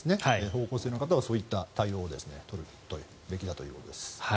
方向性の方はそういった対応を取るべきだということです。